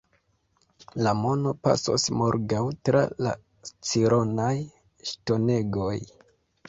La mono pasos morgaŭ tra la Scironaj ŝtonegoj.